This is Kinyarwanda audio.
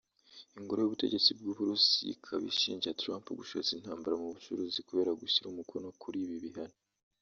ingoro y’ubutegetsi bw’Uburusiya ikaba ishinja Trump gushoza intambara mu bucuruzi kubera gushyira umukono kuri ibi bihano